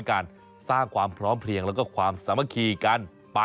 ใช่กลายจะบอกเลยสร้างสมาธิด้วยนะ